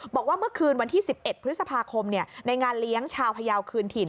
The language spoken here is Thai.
บอกว่าเมื่อคืนวันที่๑๑พฤษภาคมในงานเลี้ยงชาวพยาวคืนถิ่น